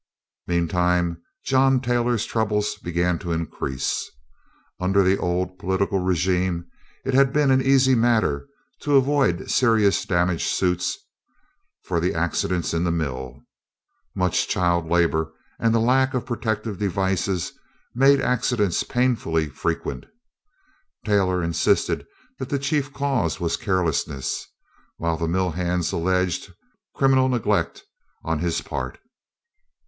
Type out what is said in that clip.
Meantime John Taylor's troubles began to increase. Under the old political regime it had been an easy matter to avoid serious damage suits for the accidents in the mill. Much child labor and the lack of protective devices made accidents painfully frequent. Taylor insisted that the chief cause was carelessness, while the mill hands alleged criminal neglect on his part.